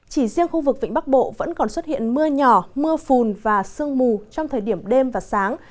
chỉ riêng khu vực vĩnh bắc bộ vẫn còn xuất hiện mưa nhỏ mưa phùn và sương mù trong thời điểm đêm và sáng